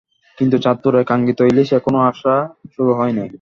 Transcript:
কিন্তু চাঁদপুরে কাঙ্ক্ষিত ইলিশ এখনো আসা শুরু হয়নি।